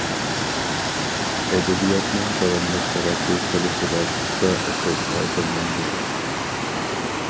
ئەدەبىياتنىڭ داۋاملىق تەرەققىي قىلىشىغا پۇختا ئاساس ھازىرلاندى.